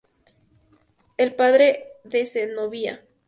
El padre de Zenobia.